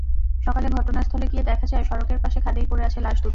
সকালে ঘটনাস্থলে গিয়ে দেখা যায়, সড়কের পাশে খাদেই পড়ে আছে লাশ দুটি।